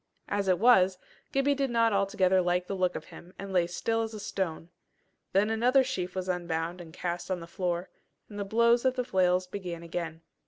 As it was, Gibbie did not altogether like the look of him, and lay still as a stone. Then another sheaf was unbound and cast on the floor, and the blows of the flails began again.